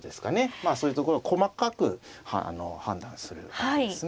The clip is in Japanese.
まあそういうところを細かく判断するわけですね。